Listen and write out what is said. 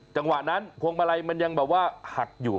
จังหวะนั้นพวงมาลัยมันยังแบบว่าหักอยู่